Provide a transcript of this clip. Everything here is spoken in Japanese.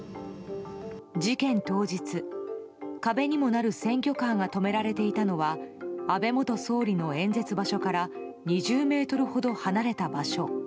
事件当日、壁にもなる選挙カーが止められていたのは安倍元総理の演説場所から２０ｍほど離れた場所。